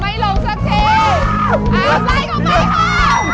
ไม่ลงสักที